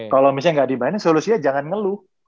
kalo misalnya gak dimainin solusinya jangan ngeluh